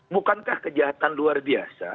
bukankah kejahatan luar biasa